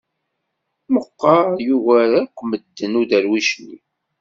Meqqer, yugar akk medden uderwic-nni.